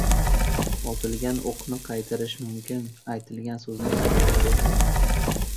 • Otilgan o‘qni qaytarish mumkin, aytilgan so‘zni qaytarib bo‘lmaydi.